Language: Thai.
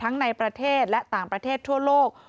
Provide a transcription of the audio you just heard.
ในประเทศและต่างประเทศทั่วโลก